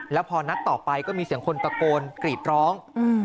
แล้วพอนัดต่อไปก็มีเสียงคนตะโกนกรีดร้อง